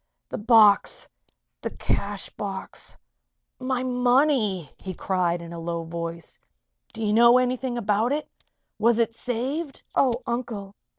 "The box the cash box my money!" he cried, in a low voice. "Do you know anything about it? Was it saved?" "Oh, Uncle!